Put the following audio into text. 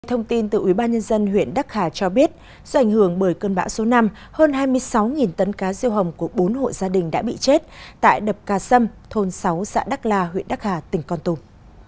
thông tin từ ubnd huyện đắc hà cho biết do ảnh hưởng bởi cơn bão số năm hơn hai mươi sáu tấn cá siêu hồng của bốn hộ gia đình đã bị chết tại đập cà sâm thôn sáu xã đắc la huyện đắc hà tỉnh con tum